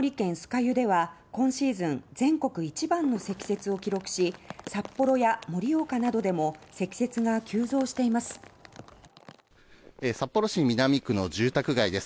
湯では今シーズン全国一番の積雪を記録し札幌や盛岡などでも積雪が急増しています。